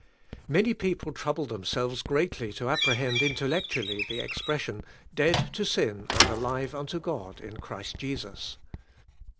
Many people trouble themselves greatly to appre hend intellectually the expression, Dead to sin and alive unto God in Christ Jesus."